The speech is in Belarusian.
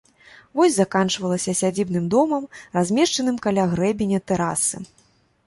Вось заканчвалася сядзібным домам, размешчаным каля грэбеня тэрасы.